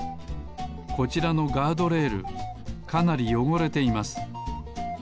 こちらのガードレールかなりよごれています。